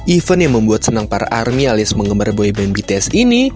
event yang membuat senang para army alias penggemar boyband bts ini